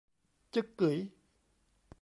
จึ๊กกึ๋ย